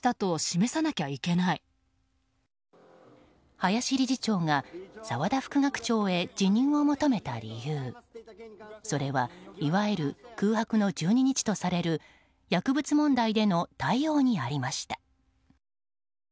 林理事長が澤田副学長に辞任を求めた理由、それはいわゆる空白の１２日とされる薬物問題での対応にありました。